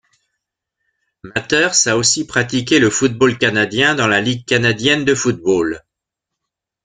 Mathers a aussi pratique le football canadien dans la Ligue canadienne de football.